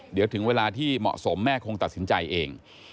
เดี๋ยวถึงเวลาที่เหมาะสมแม่คงตัดสินใจเอง